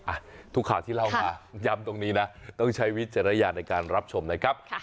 อ่ะทุกข่าวที่เล่ามาย้ำตรงนี้นะต้องใช้วิจารณญาณในการรับชมนะครับ